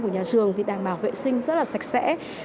của nhà trường thì đảm bảo vệ sinh rất là sạch sẽ